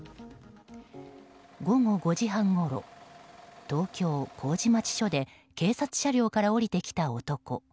午後５時半ごろ東京・麹町署で警察車両から降りてきた男。